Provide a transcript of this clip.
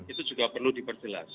itu juga perlu diperjelas